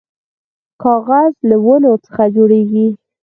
کاغذ له ونو څخه جوړیږي